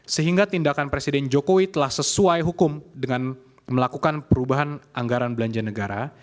sehingga tindakan presiden jokowi telah sesuai hukum dengan melakukan perubahan anggaran belanja negara